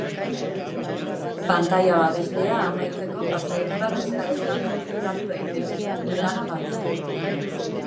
Pantaila-babeslea amaitzeko pasahitz bat eska dezan konfiguratu daiteke, lana babesteko.